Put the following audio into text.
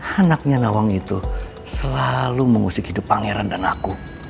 anaknya nawang itu selalu mengusik hidup pangeran dan aku